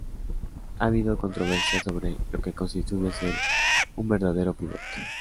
Ha habido controversia sobre lo que constituye ser un "verdadero pívot".